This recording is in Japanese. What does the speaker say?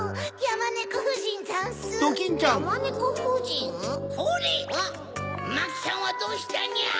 マキちゃんはどうしたにゃ？